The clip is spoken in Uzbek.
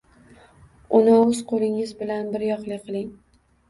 Uni o‘z qo‘lingiz bilan biryoqli qiling